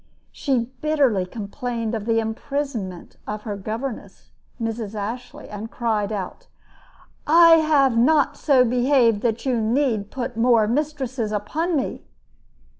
She bitterly complained of the imprisonment of her governess, Mrs. Ashley, and cried out: "I have not so behaved that you need put more mistresses upon me!"